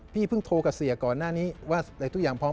พี่เพิ่งโทรกับเสียก่อนหน้านี้ว่าทุกอย่างพร้อม